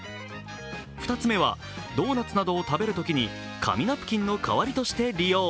２つ目はドーナツなどを食べるときに紙ナプキンの代わりとして利用。